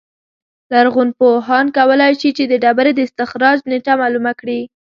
لرغونپوهان کولای شي چې د ډبرې د استخراج نېټه معلومه کړي